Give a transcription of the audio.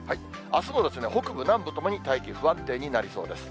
あすも北部、南部ともに大気不安定になりそうです。